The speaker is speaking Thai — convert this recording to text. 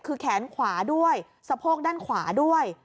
คือแขนขวาด้วยสะโพกด้านขวาด้วย